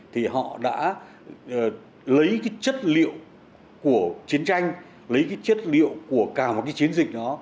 thì họ đã lấy cái chất liệu của chiến tranh lấy cái chất liệu của cả một cái chiến dịch đó